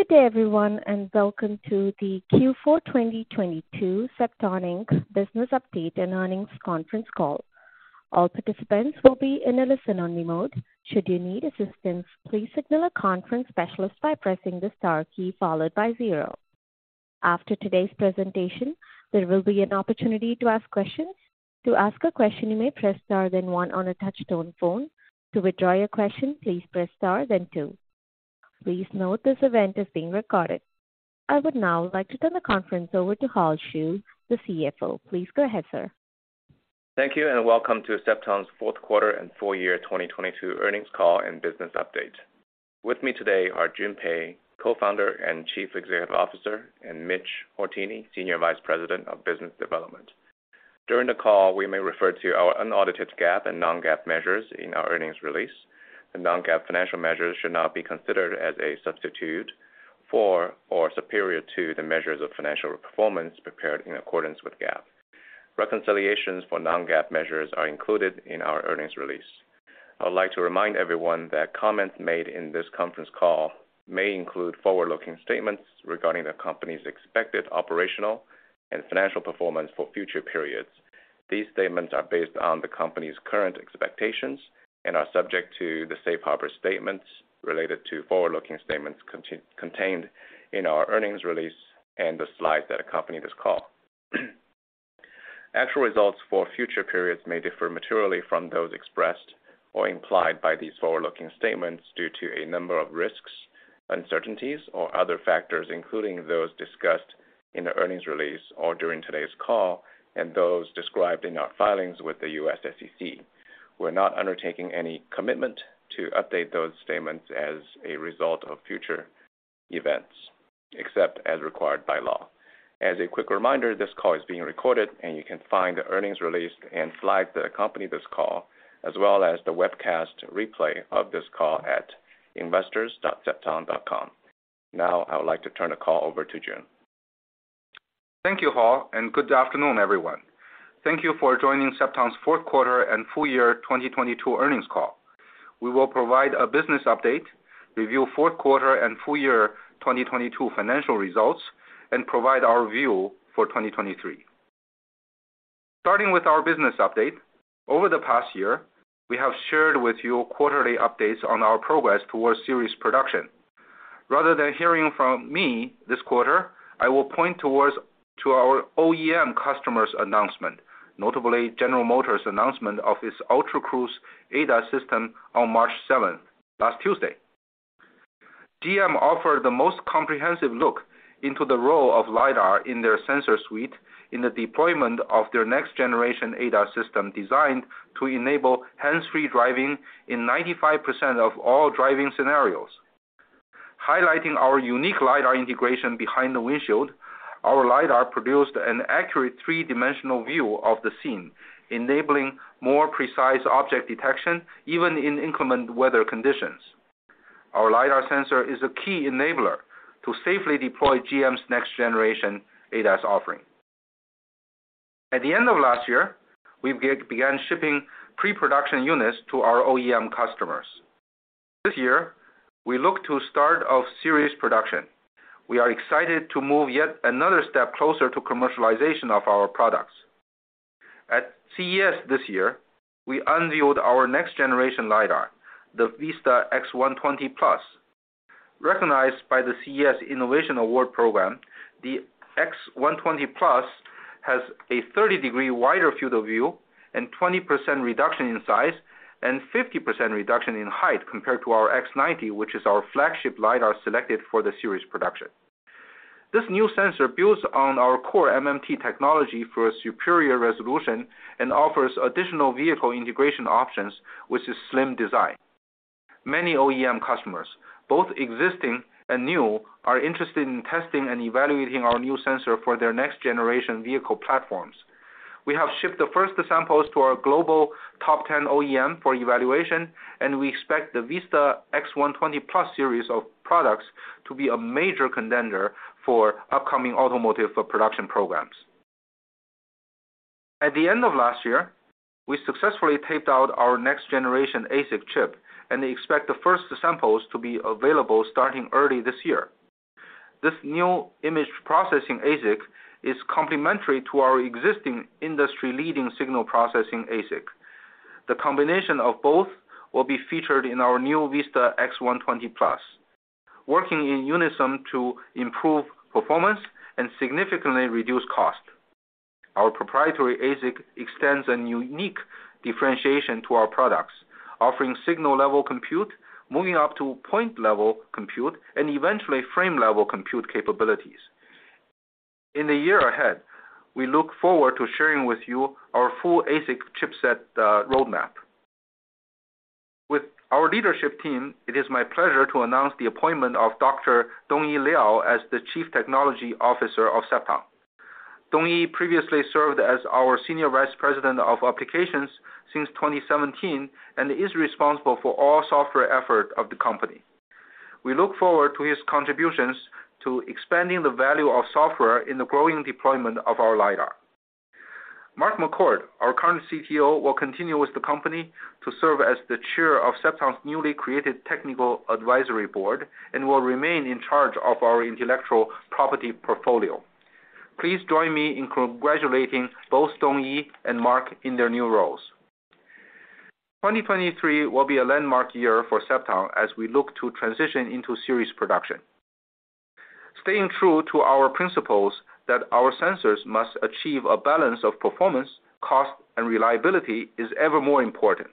Good day everyone. Welcome to the Q4 2022 Cepton, Inc. business update and earnings conference call. All participants will be in a listen-only mode. Should you need assistance, please signal a conference specialist by pressing the Star key followed by 0. After today's presentation, there will be an opportunity to ask questions. To ask a question, you may press Star then 1 on a touch-tone phone. To withdraw your question, please press Star then 2. Please note this event is being recorded. I would now like to turn the conference over to Hull Xu, the CFO. Please go ahead, sir. Thank you, and welcome to Cepton's fourth quarter and full year 2022 earnings call and business update. With me today are Jun Pei, Co-founder and Chief Executive Officer, and Mitch Hourtienne, Senior Vice President of Business Development. During the call, we may refer to our unaudited GAAP and non-GAAP measures in our earnings release. The non-GAAP financial measures should not be considered as a substitute for or superior to the measures of financial performance prepared in accordance with GAAP. Reconciliations for non-GAAP measures are included in our earnings release. I would like to remind everyone that comments made in this conference call may include forward-looking statements regarding the company's expected operational and financial performance for future periods. These statements are based on the company's current expectations and are subject to the safe harbor statements related to forward-looking statements contained in our earnings release and the slides that accompany this call. Actual results for future periods may differ materially from those expressed or implied by these forward-looking statements due to a number of risks, uncertainties, or other factors, including those discussed in the earnings release or during today's call and those described in our filings with the U.S. SEC. We're not undertaking any commitment to update those statements as a result of future events, except as required by law. As a quick reminder, this call is being recorded, and you can find the earnings release and slides that accompany this call, as well as the webcast replay of this call at investors.Cepton.com. Now, I would like to turn the call over to Jun. Thank you, Hull, and good afternoon, everyone. Thank you for joining Cepton's fourth quarter and full year 2022 earnings call. We will provide a business update, review fourth quarter and full year 2022 financial results, and provide our view for 2023. Starting with our business update. Over the past year, we have shared with you quarterly updates on our progress towards series production. Rather than hearing from me this quarter, I will point towards to our OEM customers' announcement, notably General Motors' announcement of its Ultra Cruise ADAS system on March 7th, last Tuesday. GM offered the most comprehensive look into the role of lidar in their sensor suite in the deployment of their next-generation ADAS system designed to enable hands-free driving in 95% of all driving scenarios. Highlighting our unique lidar integration behind the windshield, our lidar produced an accurate three-dimensional view of the scene, enabling more precise object detection, even in inclement weather conditions. Our lidar sensor is a key enabler to safely deploy GM's next generation ADAS offering. At the end of last year, we began shipping pre-production units to our OEM customers. This year, we look to start of series production. We are excited to move yet another step closer to commercialization of our products. At CES this year, we unveiled our next-generation lidar, the Vista-X120 Plus. Recognized by the CES Innovation Award program, the X120 Plus has a 30-degree wider field of view and 20% reduction in size and 50% reduction in height compared to our X90, which is our flagship lidar selected for the series production. This new sensor builds on our core MMT technology for superior resolution and offers additional vehicle integration options with a slim design. Many OEM customers, both existing and new, are interested in testing and evaluating our new sensor for their next-generation vehicle platforms. We have shipped the first samples to our global top 10 OEM for evaluation, and we expect the Vista-X120 Plus series of products to be a major contender for upcoming automotive production programs. At the end of last year, we successfully taped out our next-generation ASIC chip and expect the first samples to be available starting early this year. This new image processing ASIC is complementary to our existing industry-leading signal processing ASIC. The combination of both will be featured in our new Vista-X120 Plus, working in unison to improve performance and significantly reduce cost. Our proprietary ASIC extends a unique differentiation to our products, offering signal-level compute, moving up to point-level compute, and eventually frame-level compute capabilities. In the year ahead, we look forward to sharing with you our full ASIC chipset roadmap. With our leadership team, it is my pleasure to announce the appointment of Dr. Dongyi Liao as the Chief Technology Officer of Cepton. Dongyi previously served as our Senior Vice President of Applications since 2017 and is responsible for all software effort of the company. We look forward to his contributions to expanding the value of software in the growing deployment of our lidar. Mark McCord, our current CTO, will continue with the company to serve as the chair of Cepton's newly created technical advisory board and will remain in charge of our intellectual property portfolio. Please join me in congratulating both Dongyi and Mark in their new roles. 2023 will be a landmark year for Cepton as we look to transition into series production. Staying true to our principles that our sensors must achieve a balance of performance, cost, and reliability is ever more important.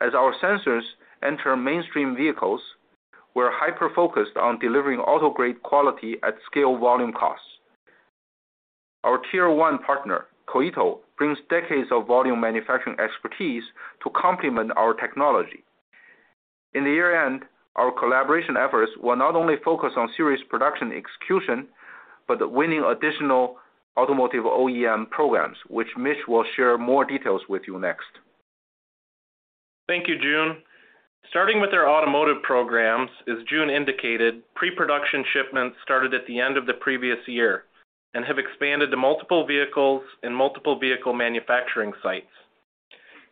As our sensors enter mainstream vehicles, we're hyper-focused on delivering auto-grade quality at scale volume costs. Our tier one partner, Koito, brings decades of volume manufacturing expertise to complement our technology. In the year-end, our collaboration efforts will not only focus on series production execution, but winning additional automotive OEM programs, which Mitch will share more details with you next. Thank you, Jun. Starting with our automotive programs, as Jun indicated, pre-production shipments started at the end of the previous year and have expanded to multiple vehicles and multiple vehicle manufacturing sites.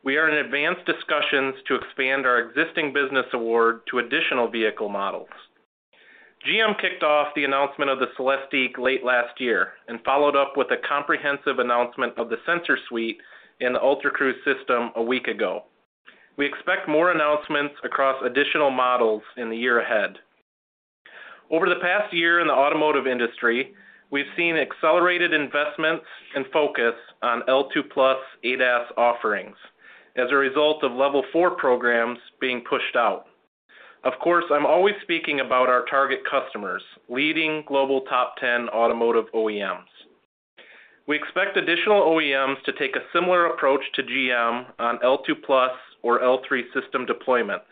We are in advanced discussions to expand our existing business award to additional vehicle models. GM kicked off the announcement of the Celestiq late last year and followed up with a comprehensive announcement of the sensor suite in the Ultra Cruise system a week ago. We expect more announcements across additional models in the year ahead. Over the past year in the automotive industry, we've seen accelerated investments and focus on L2+ ADAS offerings as a result of Level 4 programs being pushed out. Of course, I'm always speaking about our target customers, leading global top 10 automotive OEMs. We expect additional OEMs to take a similar approach to GM on L2+ or L3 system deployments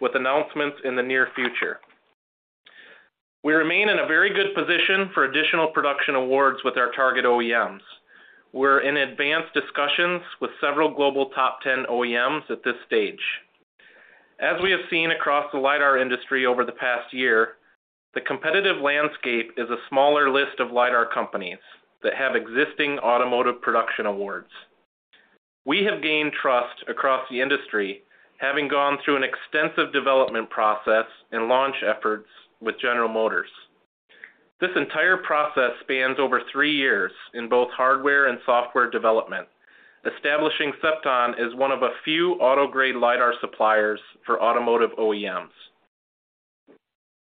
with announcements in the near future. We remain in a very good position for additional production awards with our target OEMs. We're in advanced discussions with several global top 10 OEMs at this stage. As we have seen across the lidar industry over the past year, the competitive landscape is a smaller list of lidar companies that have existing automotive production awards. We have gained trust across the industry, having gone through an extensive development process and launch efforts with General Motors. This entire process spans over three years in both hardware and software development, establishing Cepton as one of a few auto-grade lidar suppliers for automotive OEMs.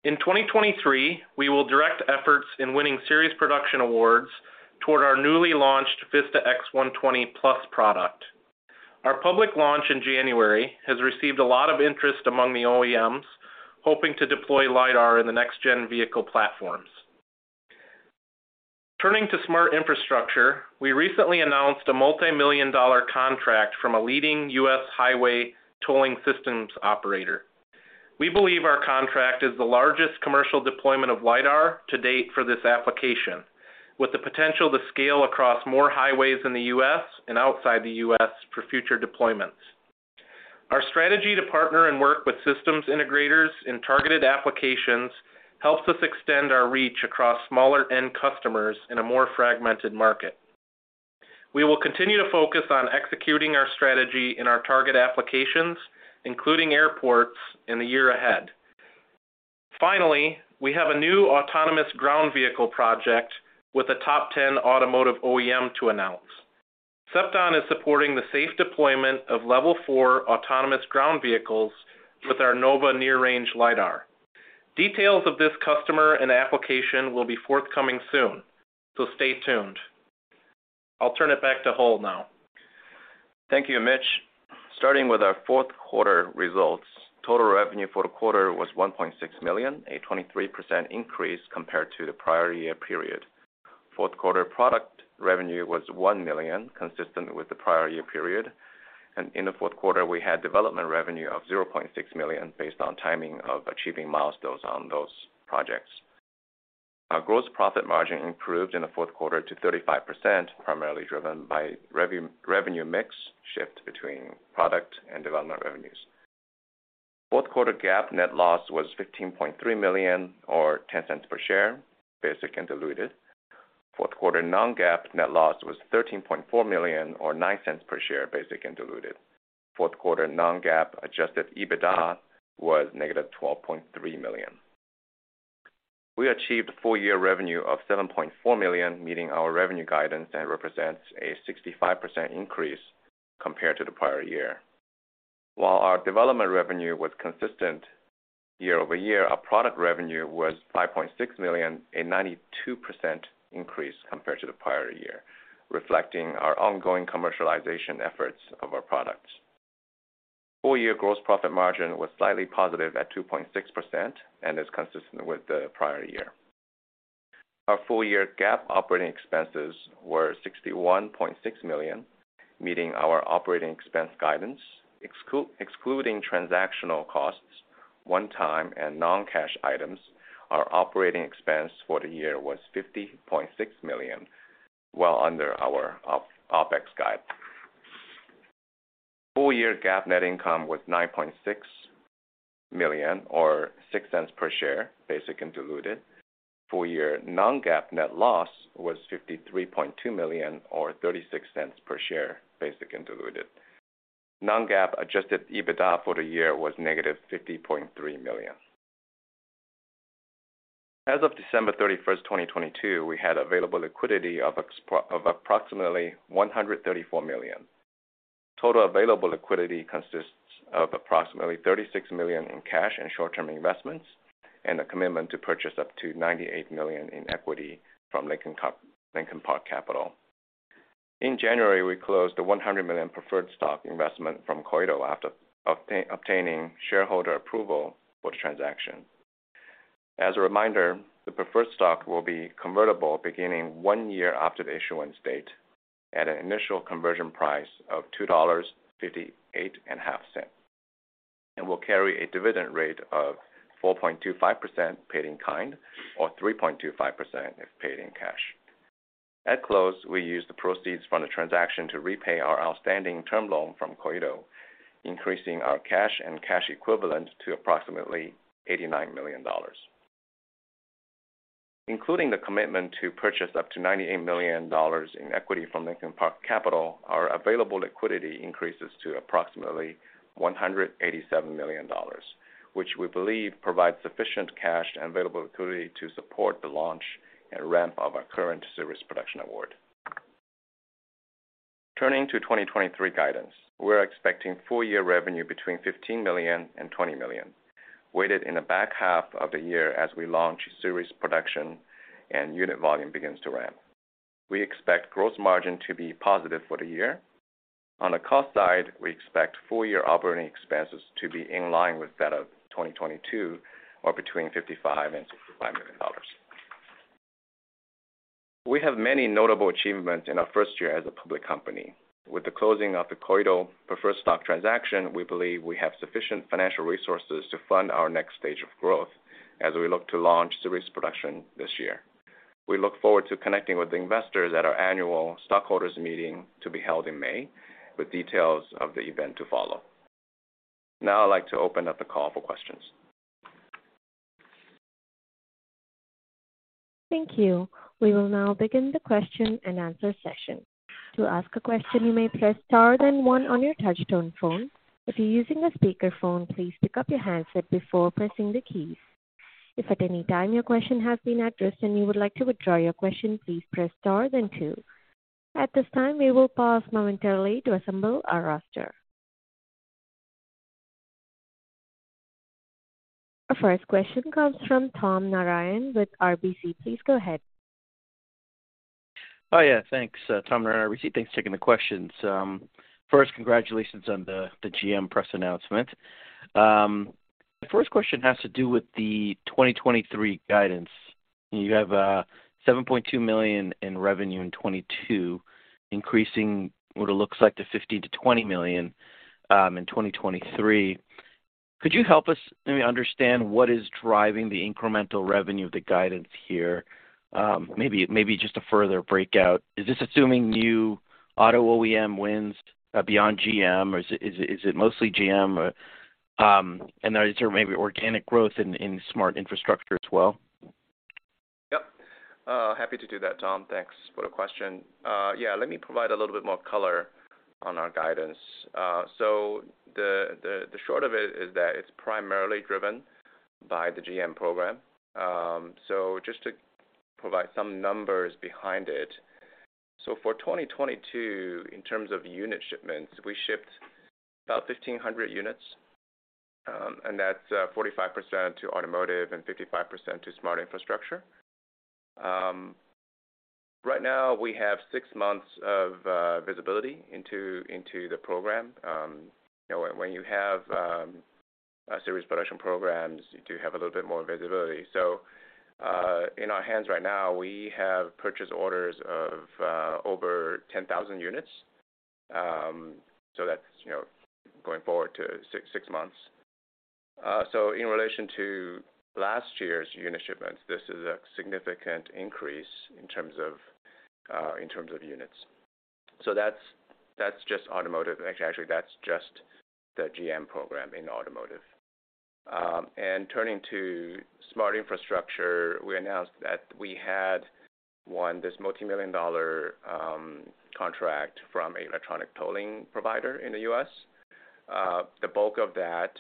In 2023, we will direct efforts in winning series production awards toward our newly launched Vista-X120 Plus product. Our public launch in January has received a lot of interest among the OEMs hoping to deploy lidar in the next gen vehicle platforms. Turning to smart infrastructure, we recently announced a multi-million dollar contract from a leading U.S. highway tolling systems operator. We believe our contract is the largest commercial deployment of lidar to date for this application, with the potential to scale across more highways in the U.S. and outside the U.S. for future deployments. Our strategy to partner and work with systems integrators in targeted applications helps us extend our reach across smaller end customers in a more fragmented market. We will continue to focus on executing our strategy in our target applications, including airports in the year ahead. Finally, we have a new autonomous ground vehicle project with a top 10 automotive OEM to announce. Cepton is supporting the safe deployment of Level 4 autonomous ground vehicles with our Nova near range lidar. Details of this customer and application will be forthcoming soon, so stay tuned. I'll turn it back to Hull now. Thank you, Mitch. Starting with our fourth quarter results, total revenue for the quarter was $1.6 million, a 23% increase compared to the prior year period. Fourth quarter product revenue was $1 million, consistent with the prior year period. In the fourth quarter, we had development revenue of $0.6 million based on timing of achieving milestones on those projects. Our gross profit margin improved in the fourth quarter to 35%, primarily driven by revenue mix shift between product and development revenues. Fourth quarter GAAP net loss was $15.3 million or $0.10 per share, basic and diluted. Fourth quarter non-GAAP net loss was $13.4 million or $0.09 per share, basic and diluted. Fourth quarter non-GAAP adjusted EBITDA was negative $12.3 million. We achieved full-year revenue of $7.4 million, meeting our revenue guidance, and represents a 65% increase compared to the prior year. While our development revenue was consistent year-over-year, our product revenue was $5.6 million, a 92% increase compared to the prior year, reflecting our ongoing commercialization efforts of our products. Full-year gross profit margin was slightly positive at 2.6% and is consistent with the prior year. Our full-year GAAP operating expenses were $61.6 million, meeting our operating expense guidance. Excluding transactional costs, one-time and non-cash items, our operating expense for the year was $50.6 million, well under our OpEx guide. Full year GAAP net income was $9.6 million or $0.06 per share, basic and diluted. Full year non-GAAP net loss was $53.2 million or $0.36 per share, basic and diluted. Non-GAAP adjusted EBITDA for the year was negative $50.3 million. As of December 31, 2022, we had available liquidity of approximately $134 million. Total available liquidity consists of approximately $36 million in cash and short-term investments and a commitment to purchase up to $98 million in equity from Lincoln Park Capital. In January, we closed a $100 million preferred stock investment from Koito after obtaining shareholder approval for the transaction. As a reminder, the preferred stock will be convertible beginning one year after the issuance date at an initial conversion price of $2.585, and will carry a dividend rate of 4.25% paid in kind or 3.25% if paid in cash. At close, we used the proceeds from the transaction to repay our outstanding term loan from Koito, increasing our cash and cash equivalent to approximately $89 million. Including the commitment to purchase up to $98 million in equity from Lincoln Park Capital, our available liquidity increases to approximately $187 million, which we believe provides sufficient cash and available liquidity to support the launch and ramp of our current series production award. Turning to 2023 guidance, we're expecting full year revenue between $15 million-$20 million, weighted in the back half of the year as we launch series production and unit volume begins to ramp. We expect gross margin to be positive for the year. On the cost side, we expect full year operating expenses to be in line with that of 2022 or between $55 million-$65 million. We have many notable achievements in our first year as a public company. With the closing of the Koito preferred stock transaction, we believe we have sufficient financial resources to fund our next stage of growth as we look to launch series production this year. We look forward to connecting with investors at our annual stockholders meeting to be held in May with details of the event to follow. Now I'd like to open up the call for questions. Thank you. We will now begin the question and answer session. To ask a question, you may press star then one on your touch tone phone. If you're using a speakerphone, please pick up your handset before pressing the keys. If at any time your question has been addressed and you would like to withdraw your question, please press Star then Two. At this time, we will pause momentarily to assemble our roster. Our first question comes from Tom Narayan with RBC. Please go ahead. Yeah. Thanks. Tom Narayan, RBC. Thanks for taking the questions. First, congratulations on the GM press announcement. The first question has to do with the 2023 guidance. You have $7.2 million in revenue in 2022, increasing what it looks like to $15 million-$20 million in 2023. Could you help us maybe understand what is driving the incremental revenue of the guidance here? Maybe just a further breakout. Is this assuming new auto OEM wins beyond GM or is it mostly GM or is there maybe organic growth in smart infrastructure as well? Yep. Happy to do that, Tom. Thanks for the question. Let me provide a little bit more color on our guidance. The short of it is that it's primarily driven by the GM program. Just to provide some numbers behind it. For 2022, in terms of unit shipments, we shipped about 1,500 units, and that's 45% to automotive and 55% to smart infrastructure. Right now we have 6 months of visibility into the program. You know, when you have a series production programs, you do have a little bit more visibility. In our hands right now, we have purchase orders of over 10,000 units. That's, you know, going forward to 6 months. In relation to last year's unit shipments, this is a significant increase in terms of units. That's just automotive. Actually, that's just the GM program in automotive. Turning to smart infrastructure, we announced that we had won this multi-million dollar contract from electronic tolling provider in the U.S. The bulk of that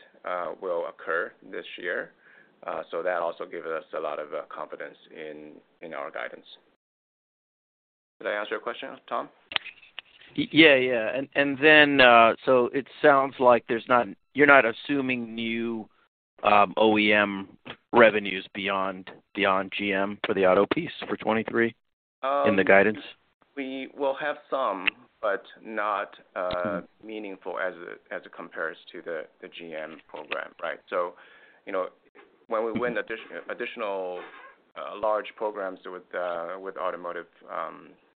will occur this year, that also gives us a lot of confidence in our guidance. Did I answer your question, Tom? Yeah, yeah. It sounds like there's not you're not assuming new OEM revenues beyond GM for the auto piece for 2023? in the guidance. We will have some, but meaningful as it compares to the GM program, right? You know, when we win additional large programs with automotive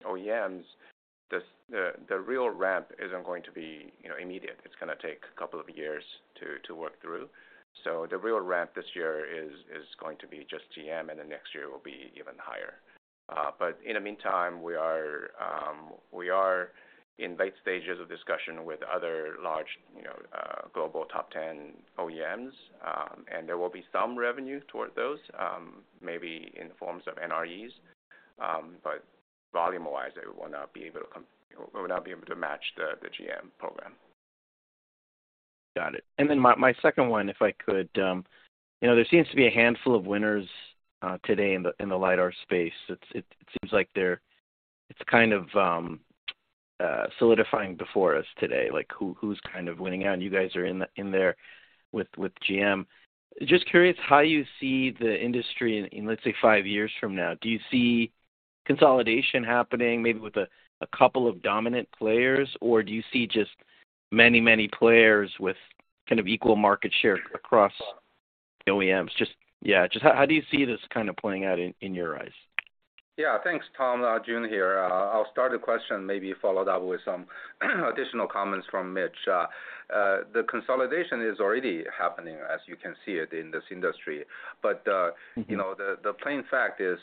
OEMs, the real ramp isn't going to be, you know, immediate. It's gonna take a couple of years to work through. The real ramp this year is going to be just GM, and then next year will be even higher. In the meantime, we are We are in late stages of discussion with other large, you know, global top 10 OEMs. There will be some revenue toward those, maybe in the forms of NREs. Volume-wise, it will not be able to match the GM program. Got it. My, my second one, if I could. You know, there seems to be a handful of winners today in the lidar space. It seems like it's kind of solidifying before us today, like who's kind of winning out, and you guys are in there with GM. Just curious how you see the industry in, let's say, 5 years from now. Do you see consolidation happening maybe with a couple of dominant players, or do you see just many players with kind of equal market share across OEMs? Just how do you see this kind of playing out in your eyes? Yeah. Thanks, Tom. Jun Pei here. I'll start the question, maybe followed up with some additional comments from Mitch Hourtienne. The consolidation is already happening, as you can see it in this industry... you know, the plain fact is,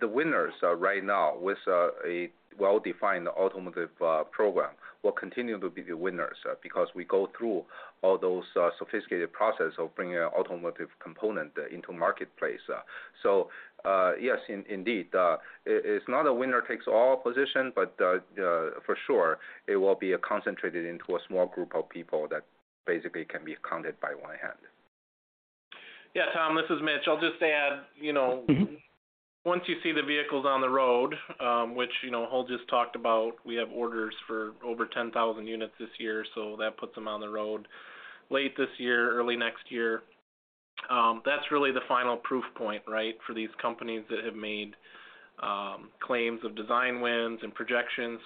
the winners right now with a well-defined automotive program will continue to be the winners, because we go through all those sophisticated process of bringing an automotive component into marketplace. Yes, indeed, it's not a winner-takes-all position, but for sure it will be concentrated into a small group of people that basically can be counted by one hand. Yeah, Tom, this is Mitch. I'll just add, you know- once you see the vehicles on the road, which, you know, Hull just talked about, we have orders for over 10,000 units this year, so that puts them on the road late this year, early next year. That's really the final proof point, right, for these companies that have made claims of design wins and projections.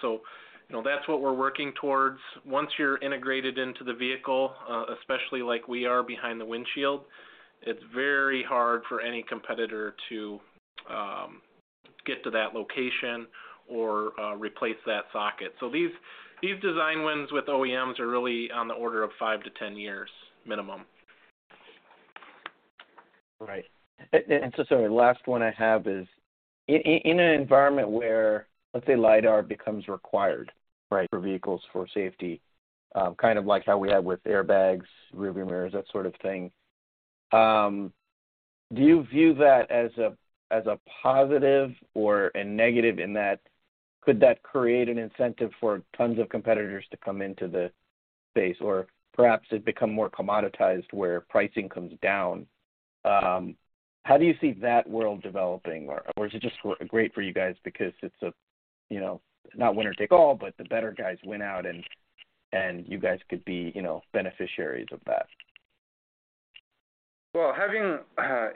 You know, that's what we're working towards. Once you're integrated into the vehicle, especially like we are behind the windshield, it's very hard for any competitor to get to that location or replace that socket. These design wins with OEMs are really on the order of 5-10 years minimum. Right. Sorry, last one I have is in an environment where, let's say, lidar becomes required- Right... for vehicles for safety, kind of like how we have with airbags, rearview mirrors, that sort of thing, do you view that as a, as a positive or a negative in that could that create an incentive for tons of competitors to come into the space or perhaps it become more commoditized where pricing comes down? How do you see that world developing or is it just great for you guys because it's a, you know, not winner take all, but the better guys win out and you guys could be, you know, beneficiaries of that? Well, having,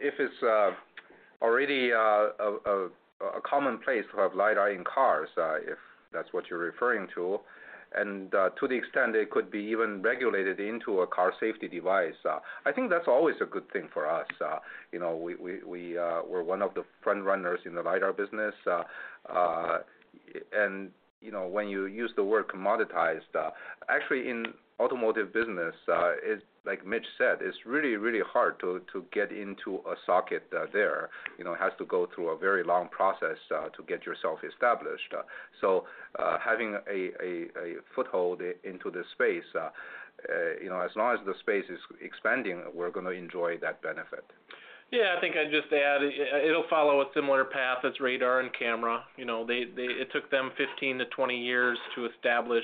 if it's already a commonplace to have lidar in cars, if that's what you're referring to, and to the extent it could be even regulated into a car safety device, I think that's always a good thing for us. You know, we're one of the front runners in the lidar business. You know, when you use the word commoditized, actually in automotive business, it's like Mitch said, it's really, really hard to get into a socket there. You know, it has to go through a very long process, to get yourself established. Having a foothold into the space, you know, as long as the space is expanding, we're gonna enjoy that benefit. I think I'd just add it'll follow a similar path as radar and camera. You know, it took them 15-20 years to establish,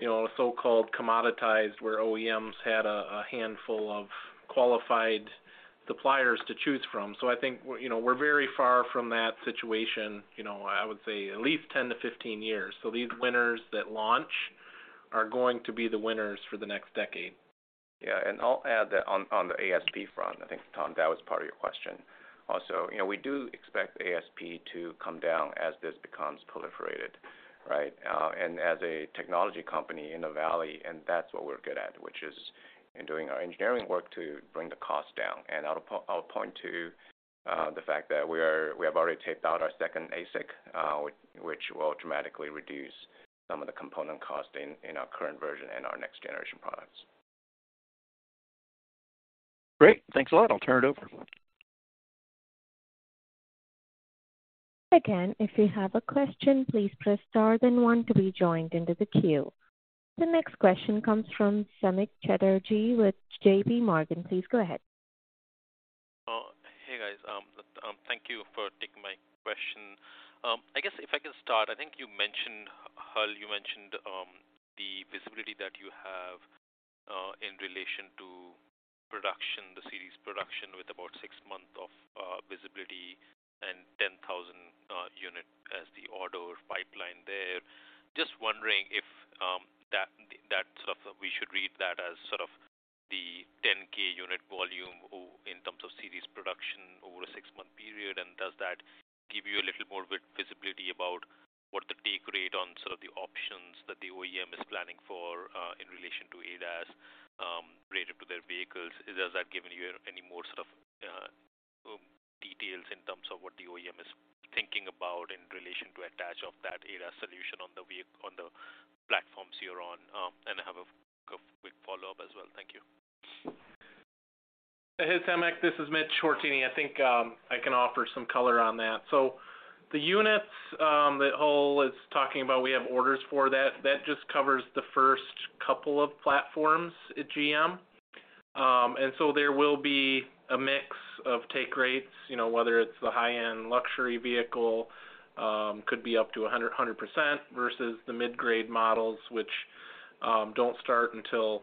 you know, a so-called commoditized where OEMs had a handful of qualified suppliers to choose from. I think, you know, we're very far from that situation, you know, I would say at least 10 to 15 years. These winners that launch are going to be the winners for the next decade. Yeah. I'll add that on the ASP front, I think, Tom, that was part of your question also. You know, we do expect ASP to come down as this becomes proliferated, right? As a technology company in the valley, and that's what we're good at, which is in doing our engineering work to bring the cost down. I'll point to the fact that we have already taped out our second ASIC, which will dramatically reduce some of the component cost in our current version and our next generation products. Great. Thanks a lot. I'll turn it over. If you have a question, please press star then one to be joined into the queue. The next question comes from Samik Chatterjee with J.P. Morgan. Please go ahead. Hey, guys. Thank you for taking my question. I guess if I can start, I think you mentioned, Hul, you mentioned the visibility that you have in relation to production, the series production with about 6 months of visibility and 10,000 unit as the order pipeline there. Just wondering if that sort of we should read that as sort of the 10K unit volume or in terms of series production over a 6-month period. Does that give you a little more of a visibility about what the take rate on sort of the options that the OEM is planning for in relation to ADAS related to their vehicles? Does that give you any more sort of details in terms of what the OEM is thinking about in relation to attach of that ADAS solution on the platforms you're on? I have a quick follow-up as well. Thank you. This is Hull. This is Mitch Hourtienne. I think I can offer some color on that. The units that Hull is talking about, we have orders for that. That just covers the first couple of platforms at GM. There will be a mix of take rates, you know, whether it's the high-end luxury vehicle, could be up to 100% versus the mid-grade models which don't start until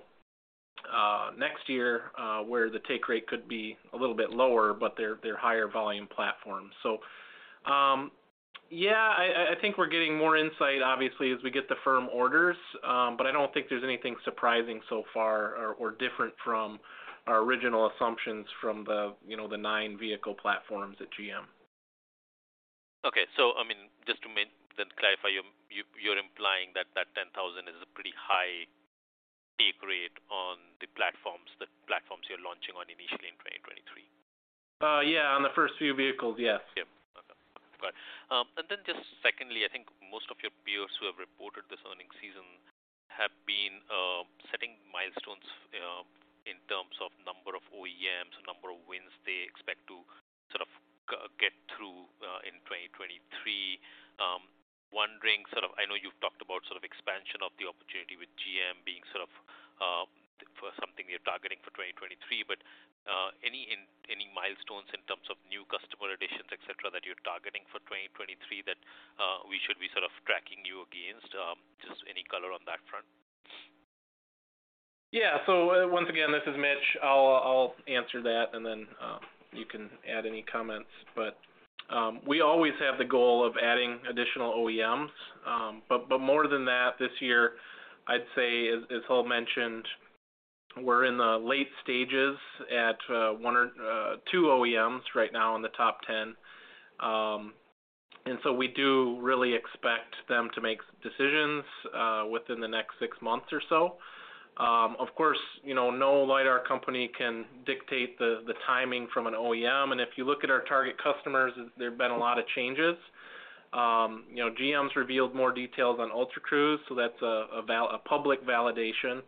next year, where the take rate could be a little bit lower, but they're higher volume platforms. Yeah, I think we're getting more insight obviously as we get the firm orders. I don't think there's anything surprising so far or different from our original assumptions from the, you know, the nine vehicle platforms at GM. I mean, just to clarify, you're implying that 10,000 is a pretty high take rate on the platforms, the platforms you're launching on initially in 2023? Yeah, on the first few vehicles, yes. Yeah. Okay. Got it. Just secondly, I think most of your peers who have reported this earnings season have been setting milestones in terms of number of OEMs, number of wins they expect to sort of get through in 2023. Wondering sort of, I know you've talked about sort of expansion of the opportunity with GM being sort of for something you're targeting for 2023, any milestones in terms of new customer additions, et cetera, that you're targeting for 2023 that we should be sort of tracking you against, just any color on that front? Yeah. Once again, this is Mitch. I'll answer that and then you can add any comments. We always have the goal of adding additional OEMs. More than that, this year, I'd say as Hull mentioned, we're in the late stages at one or two OEMs right now in the top 10. We do really expect them to make decisions within the next six months or so. Of course, you know, no lidar company can dictate the timing from an OEM. And if you look at our target customers, there have been a lot of changes. You know, GM's revealed more details on Ultra Cruise, so that's a public validation.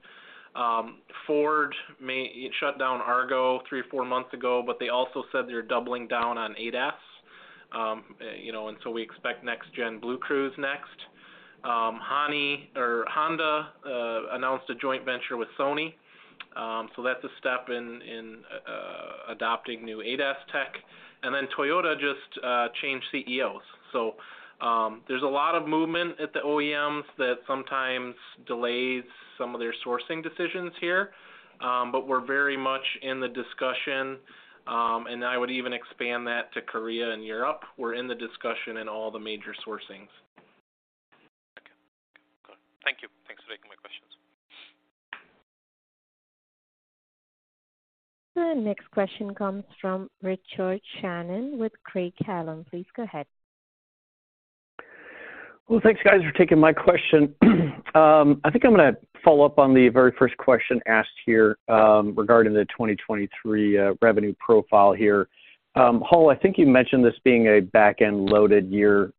Ford may shut down Argo three or four months ago, but they also said they're doubling down on ADAS. You know, we expect next gen BlueCruise next. Honda announced a joint venture with Sony, so that's a step in adopting new ADAS tech. Toyota just changed CEOs. There's a lot of movement at the OEMs that sometimes delays some of their sourcing decisions here. But we're very much in the discussion, and I would even expand that to Korea and Europe. We're in the discussion in all the major sourcings. Okay. Thank you. Thanks for taking my questions. The next question comes from Richard Shannon with Craig-Hallum. Please go ahead. Well, thanks guys for taking my question. I think I'm gonna follow up on the very first question asked here, regarding the 2023 revenue profile here. Hull, I think you mentioned this being a back-end loaded year.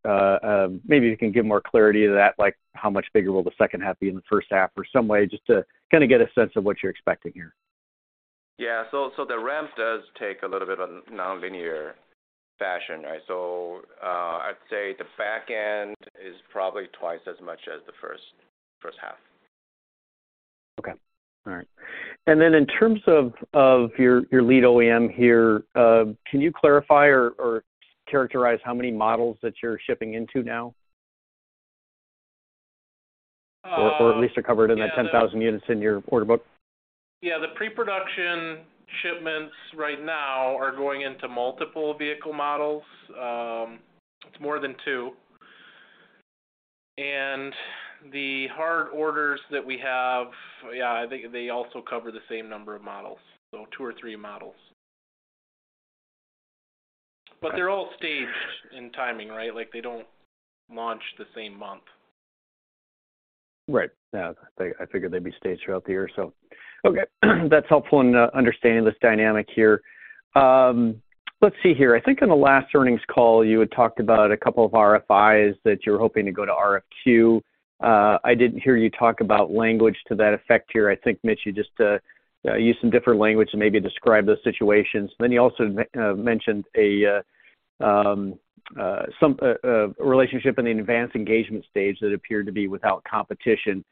Maybe you can give more clarity to that, like how much bigger will the second half be in the first half or some way just to kind of get a sense of what you're expecting here. Yeah. The ramp does take a little bit of a nonlinear fashion, right? I'd say the back end is probably twice as much as the first half. Okay. All right. In terms of your lead OEM here, can you clarify or characterize how many models that you're shipping into now? at least are covered in that 10,000 units in your order book. Yeah. The pre-production shipments right now are going into multiple vehicle models. It's more than two. The hard orders that we have, yeah, I think they also cover the same number of models, so two or three models. They're all staged in timing, right? Like, they don't launch the same month. Right. Yeah. I figured they'd be staged throughout the year. Okay, that's helpful in understanding this dynamic here. Let's see here. I think on the last earnings call, you had talked about a couple of RFIs that you were hoping to go to RFQ. I didn't hear you talk about language to that effect here. I think, Mitch, you just used some different language to maybe describe those situations. You also mentioned a relationship in the advanced engagement stage that appeared to be without competition.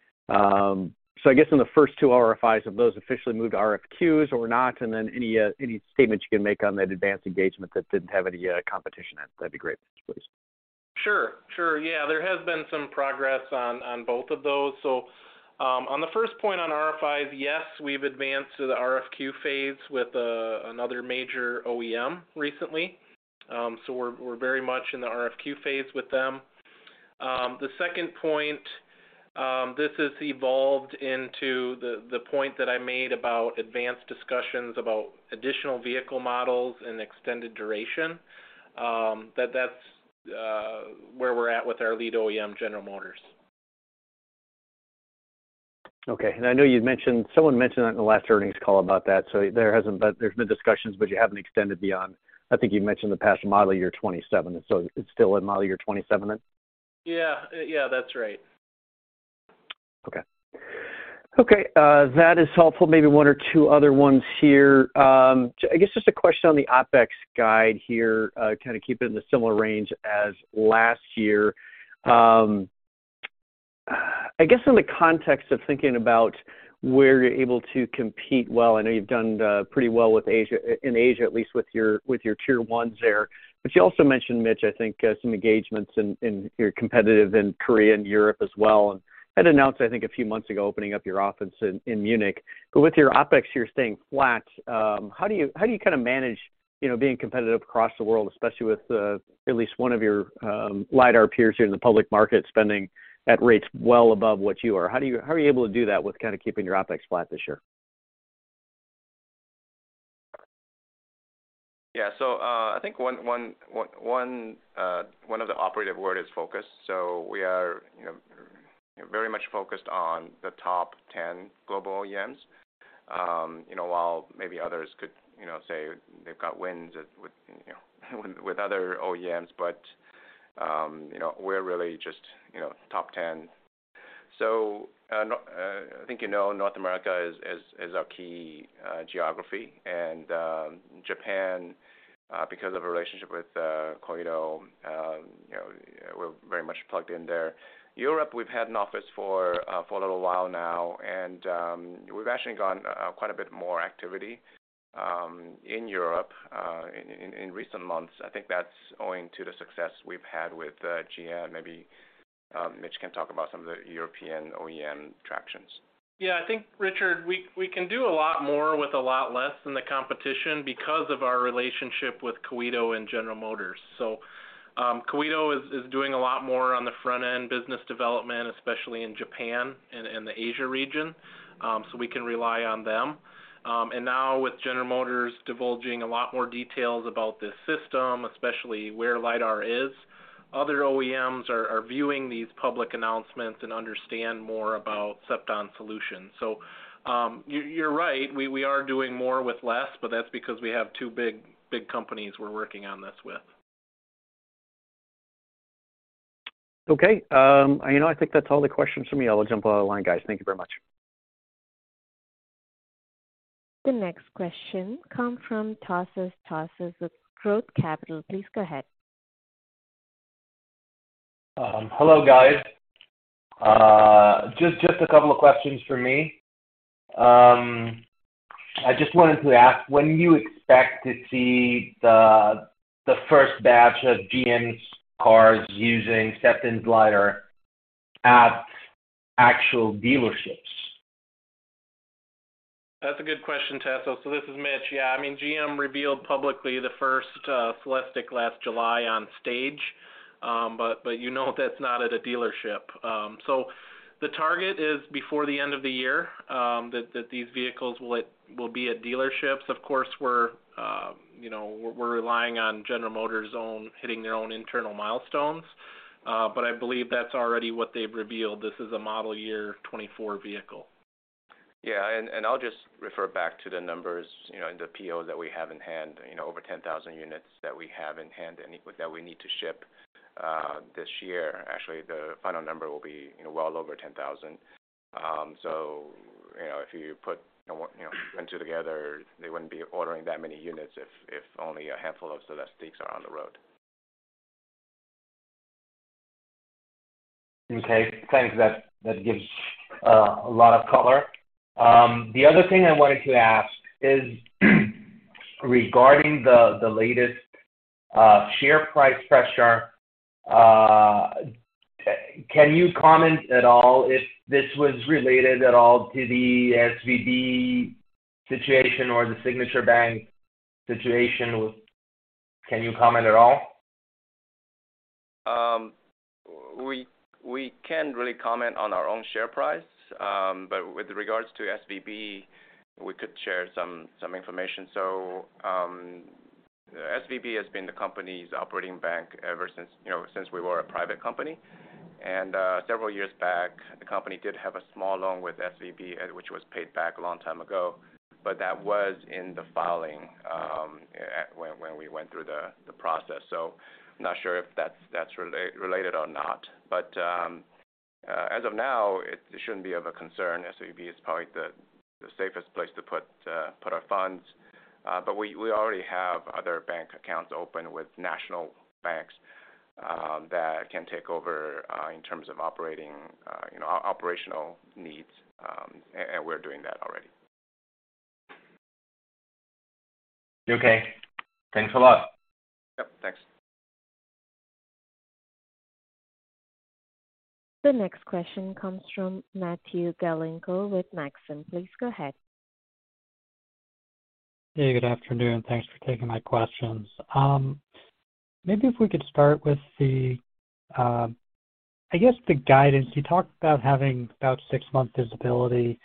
I guess in the first two RFIs, have those officially moved to RFQs or not? Any statements you can make on that advanced engagement that didn't have any competition, that'd be great, please. Sure, sure. Yeah, there has been some progress on both of those. On the first point on RFIs, yes, we've advanced to the RFQ phase with another major OEM recently. We're very much in the RFQ phase with them. The second point, this has evolved into the point that I made about advanced discussions about additional vehicle models and extended duration, that's where we're at with our lead OEM, General Motors. Okay. I know you'd mentioned someone mentioned on the last earnings call about that. There hasn't been, there's been discussions, but you haven't extended beyond. I think you've mentioned the past model year 27, and so it's still in model year 27 then? Yeah. yeah, that's right. Okay. That is helpful. Maybe one or two other ones here. I guess just a question on the OpEx guide here, kind of keep it in a similar range as last year. I guess in the context of thinking about where you're able to compete well, I know you've done pretty well with Asia, in Asia, at least with your, with your tier ones there. You also mentioned, Mitch, I think, some engagements in your competitive in Korea and Europe as well. Had announced, I think a few months ago, opening up your office in Munich. With your OpEx, you're staying flat. How do you, how do you kinda manage, you know, being competitive across the world, especially with at least one of your lidar peers here in the public market spending at rates well above what you are? How do you, how are you able to do that with kinda keeping your OpEx flat this year? Yeah. I think one of the operative word is focus. We are, you know, very much focused on the top 10 global OEMs, you know, while maybe others could, you know, say they've got wins with other OEMs, but, you know, we're really just, you know, top 10. I think, you know, North America is our key geography. Japan, because of a relationship with Koito, you know, we're very much plugged in there. Europe, we've had an office for a little while now, we've actually gotten quite a bit more activity in Europe in recent months. I think that's owing to the success we've had with GM. Maybe, Mitch can talk about some of the European OEM tractions. Yeah. I think, Richard, we can do a lot more with a lot less than the competition because of our relationship with Koito and General Motors. Koito is doing a lot more on the front end business development, especially in Japan and the Asia region. We can rely on them. Now with General Motors divulging a lot more details about this system, especially where lidar is, other OEMs are viewing these public announcements and understand more about Cepton solutions. You're right, we are doing more with less, but that's because we have two big companies we're working on this with. Okay. You know, I think that's all the questions from me. I'll jump off the line, guys. Thank you very much. The next question come from George Syllantavos of Growth Capital. Please go ahead. Hello, guys. Just a couple of questions for me. I just wanted to ask, when do you expect to see the first batch of GM's cars using Cepton's lidar at actual dealerships? That's a good question, Tasso. This is Mitch. Yeah, I mean, GM revealed publicly the first Celestiq last July on stage. You know that's not at a dealership. The target is before the end of the year, that these vehicles will be at dealerships. Of course, we're, you know, we're relying on General Motors' own hitting their own internal milestones. I believe that's already what they've revealed. This is a model year 2024 vehicle. Yeah. I'll just refer back to the numbers, you know, and the PO that we have in hand, you know, over 10,000 units that we have in hand that we need to ship this year. Actually, the final number will be, you know, well over 10,000. If you put, you know, one, two together, they wouldn't be ordering that many units if only a handful of Celestiqs are on the road. Okay. Thanks. That gives a lot of color. The other thing I wanted to ask is regarding the latest share price pressure. Can you comment at all if this was related at all to the SVB situation or the Signature Bank situation? Can you comment at all? We, we can't really comment on our own share price. With regards to SVB, we could share some information. SVB has been the company's operating bank ever since, you know, since we were a private company. Several years back, the company did have a small loan with SVB, which was paid back a long time ago. That was in the filing when we went through the process. I'm not sure if that's related or not. As of now, it shouldn't be of a concern. SVB is probably the safest place to put our funds. We already have other bank accounts open with national banks that can take over in terms of operating, you know, operational needs. We're doing that already. Okay. Thanks a lot. Yep. Thanks. The next question comes from Matthew Galinko with Maxim Group. Please go ahead. Hey, good afternoon. Thanks for taking my questions. Maybe if we could start with the, I guess the guidance. You talked about having about 6-month visibility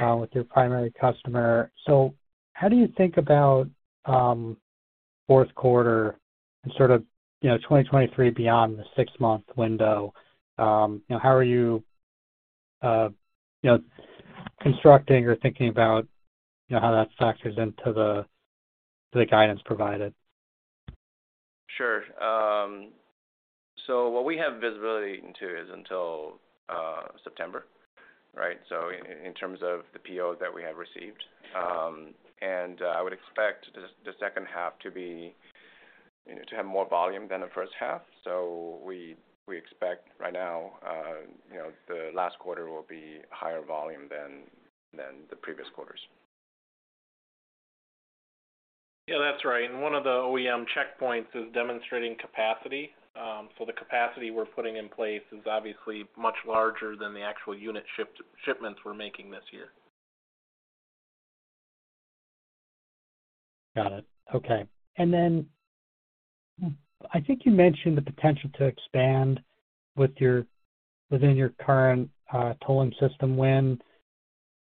with your primary customer. How do you think about fourth quarter and sort of, you know, 2023 beyond the 6-month window? You know, how are you know, constructing or thinking about, you know, how that factors into the guidance provided? Sure. What we have visibility into is until September, right? In terms of the POs that we have received. I would expect the second half to be, you know, to have more volume than the first half. We expect right now, you know, the last quarter will be higher volume than the previous quarters. Yeah, that's right. One of the OEM checkpoints is demonstrating capacity. The capacity we're putting in place is obviously much larger than the actual unit shipments we're making this year. Got it. Okay. I think you mentioned the potential to expand within your current tolling system win.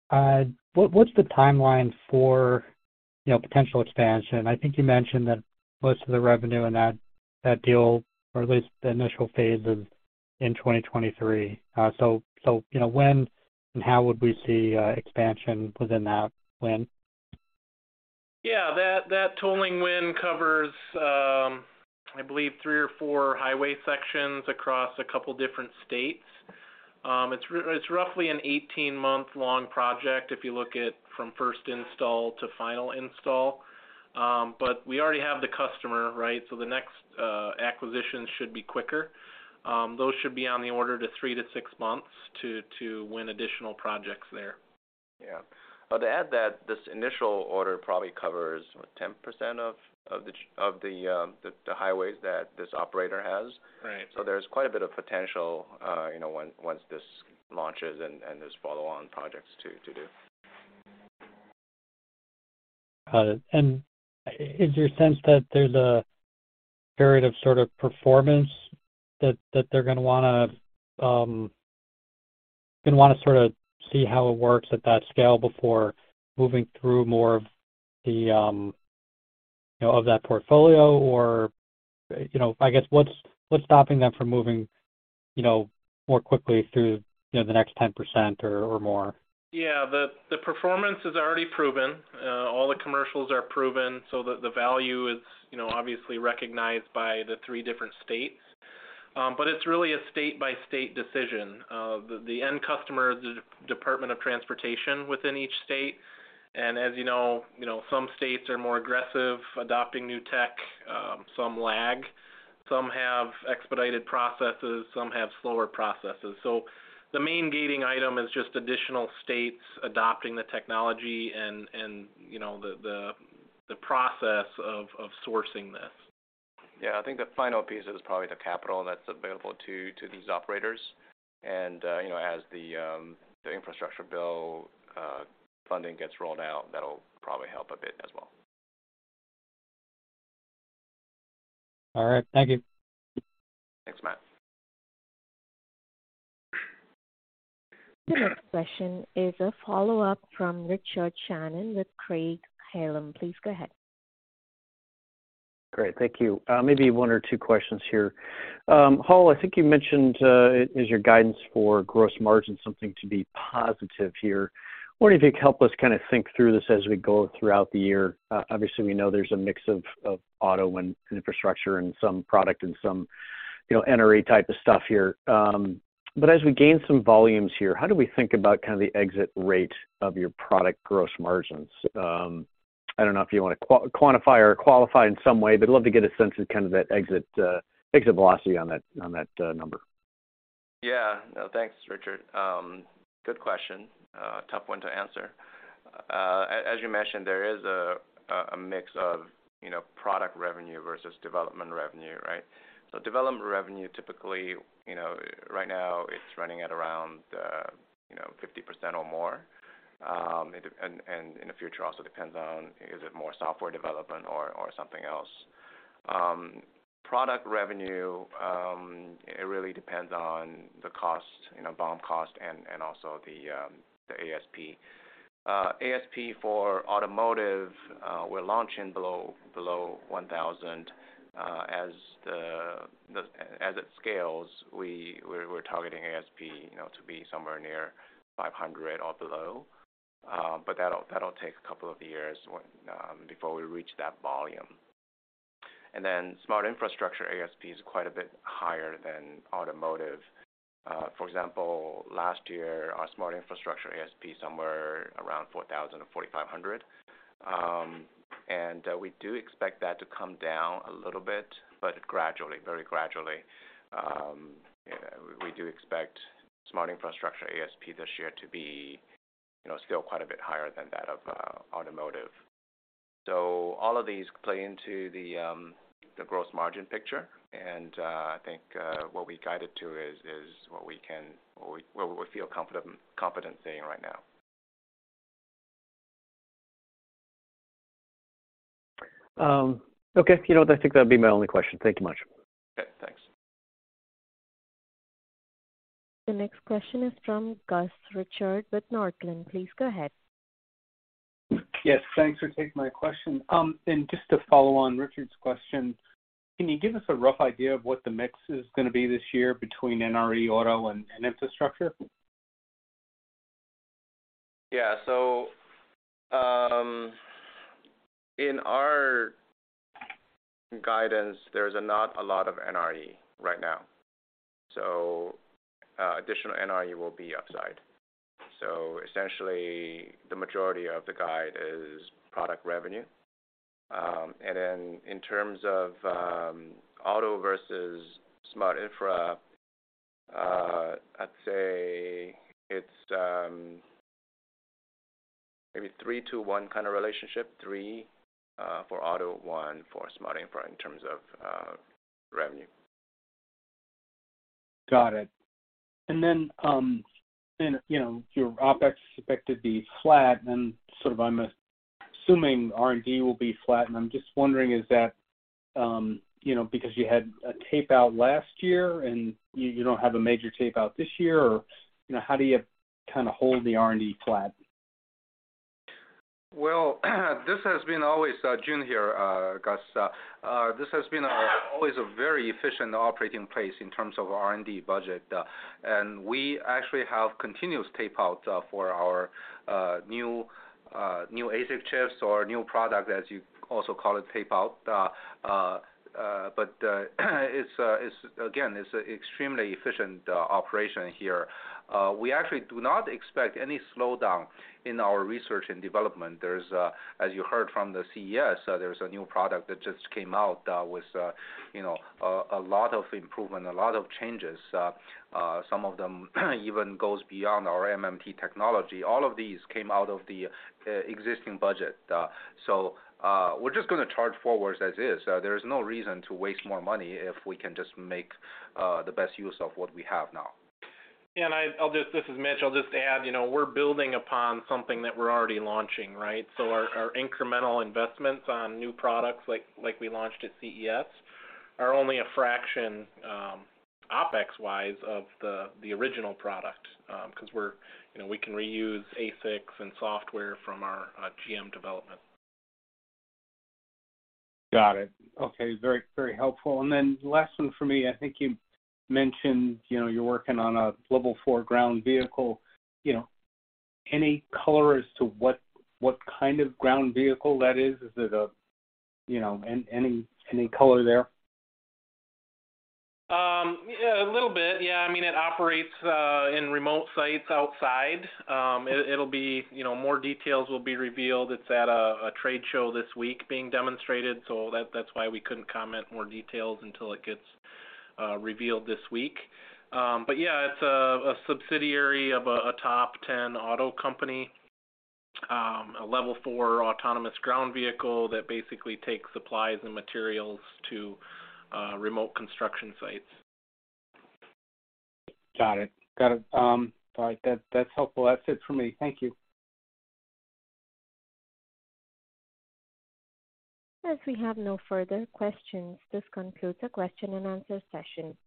What's the timeline for, you know, potential expansion? I think you mentioned that most of the revenue in that deal, or at least the initial phase of in 2023. You know, when and how would we see expansion within that win? Yeah, that tolling win covers, I believe three or four highway sections across a couple different states. It's roughly an 18-month-long project if you look at from first install to final install. We already have the customer, right? The next acquisition should be quicker. Those should be on the order to 3-6 months to win additional projects there. To add that this initial order probably covers what? 10% of the highways that this operator has. Right. There's quite a bit of potential, you know, once this launches and there's follow-on projects to do. Got it. Is your sense that there's a period of sort of performance that they're gonna wanna, gonna wanna sort of see how it works at that scale before moving through more of the, you know, of that portfolio? Or, you know, I guess, what's stopping them from moving, you know, more quickly through, you know, the next 10% or more? The performance is already proven. All the commercials are proven so that the value is, you know, obviously recognized by the three different states. But it's really a state-by-state decision. The end customer, the Department of Transportation within each state. As you know, you know, some states are more aggressive adopting new tech, some lag. Some have expedited processes, some have slower processes. The main gating item is just additional states adopting the technology and, you know, the process of sourcing this. Yeah. I think the final piece is probably the capital that's available to these operators. You know, as the Infrastructure bill funding gets rolled out, that'll probably help a bit as well. All right. Thank you. Thanks, Matt. The next question is a follow-up from Richard Shannon with Craig-Hallum. Please go ahead. Great. Thank you. Maybe one or two questions here. Hull, I think you mentioned, is your guidance for gross margin something to be positive here? I wonder if you could help us kinda think through this as we go throughout the year. Obviously, we know there's a mix of auto and infrastructure and some product and some, you know, NRE type of stuff here. As we gain some volumes here, how do we think about kind of the exit rate of your product gross margins? I don't know if you wanna quantify or qualify in some way, but I'd love to get a sense of kind of that exit velocity on that, on that, number. Thanks, Richard. Good question. Tough one to answer. As you mentioned, there is a mix of, you know, product revenue versus development revenue, right? Development revenue, typically, you know, right now it's running at around, you know, 50% or more. It and in the future also depends on is it more software development or something else. Product revenue, it really depends on the cost, you know, BOM cost and also the ASP. ASP for automotive, we're launching below $1,000. As the as it scales, we're targeting ASP, you know, to be somewhere near $500 or below. That'll take a couple of years when before we reach that volume. Smart infrastructure ASP is quite a bit higher than automotive. For example, last year, our smart infrastructure ASP somewhere around $4,000-$4,500. We do expect that to come down a little bit, but gradually, very gradually. You know, we do expect smart infrastructure ASP this year to be, you know, still quite a bit higher than that of automotive. All of these play into the gross margin picture. I think what we guided to is what we can or what we feel confident saying right now. Okay. You know what? I think that'd be my only question. Thank you much. Okay. Thanks. The next question is from Gus Richard with Northland. Please go ahead. Yes. Thanks for taking my question. Just to follow on Richard's question, can you give us a rough idea of what the mix is gonna be this year between NRE auto and infrastructure? Yeah. In our guidance, there's not a lot of NRE right now. Additional NRE will be upside. Essentially, the majority of the guide is product revenue. In terms of auto versus smart infra, I'd say it's maybe 3 to 1 kind of relationship. 3 for auto, 1 for smart infra in terms of revenue. Got it. You know, your OpEx is expected to be flat, and sort of I'm assuming R&D will be flat. I'm just wondering is that, you know, because you had a tape out last year and you don't have a major tape out this year, or, you know, how do you kinda hold the R&D flat? Well, this has been always, Jun here, Gus. This has been always a very efficient operating pace in terms of R&D budget. We actually have continuous tapeouts, for our, new ASIC chips or new product, as you also call it, tapeout. It's again, it's extremely efficient operation here. We actually do not expect any slowdown in our research and development. There's, as you heard from the CES, there's a new product that just came out, with, you know, a lot of improvement, a lot of changes. Some of them even goes beyond our MMT technology. All of these came out of the existing budget. We're just gonna charge forward as is. There is no reason to waste more money if we can just make the best use of what we have now. Yeah. I'll just. This is Mitch. I'll just add, you know, we're building upon something that we're already launching, right? Our incremental investments on new products like we launched at CES are only a fraction, OpEx-wise of the original product, because we're, you know, we can reuse ASIC and software from our GM development. Got it. Okay. Very, very helpful. Last one for me. I think you mentioned, you know, you're working on a Level 4 ground vehicle. You know, any color as to what kind of ground vehicle that is? Is it a, you know? Any color there? Yeah, a little bit. Yeah. I mean, it operates in remote sites outside. It, it'll be, you know, more details will be revealed. It's at a trade show this week being demonstrated, so that's why we couldn't comment more details until it gets revealed this week. Yeah, it's a subsidiary of a top 10 auto company, a Level 4 autonomous ground vehicle that basically takes supplies and materials to remote construction sites. Got it. All right. That's helpful. That's it for me. Thank you. As we have no further questions, this concludes the question and answer session.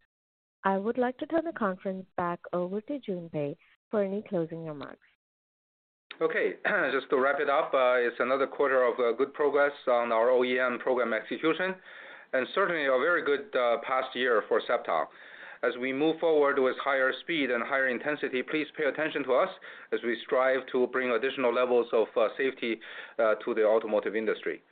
I would like to turn the conference back over to Jun Pei for any closing remarks. Okay. Just to wrap it up, it's another quarter of good progress on our OEM program execution and certainly a very good past year for Cepton. As we move forward with higher speed and higher intensity, please pay attention to us as we strive to bring additional levels of safety to the automotive industry. Thank you.